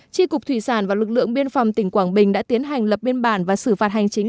tri cục thủy sản và lực lượng biên phòng tỉnh quảng bình đã tiến hành lập biên bản và xử phạt hành chính